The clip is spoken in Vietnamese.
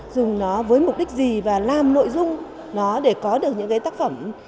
dùng nó với mục đích gì và làm nội dung nó để có được những cái tác phẩm